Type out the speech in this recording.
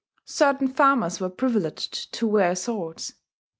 Certain farmers were privileged to wear swords.